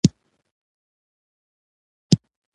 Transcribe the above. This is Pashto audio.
غلۍ د خندا، لوبو او ناستې ځای وي.